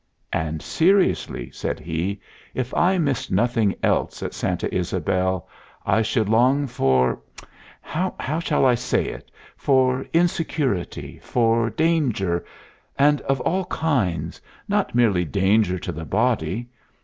"And, seriously," said he, "if I missed nothing else at Santa Ysabel, I should long for how shall I say it? for insecurity, for danger, and of all kinds not merely danger to the body.